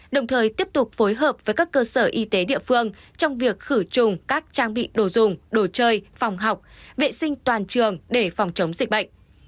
đồng thời tiếp tục phối hợp với các cơ sở y tế địa phương trong việc khử trùng các trang bị đồ dùng đồ chơi phòng học vệ sinh toàn trường để phòng chống dịch bệnh